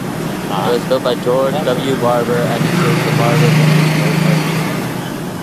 It was built by George W. Barber, and includes the Barber Vintage Motorsport Museum.